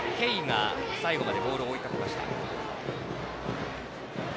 慶応の渡辺憩が最後までボールを追いかけました。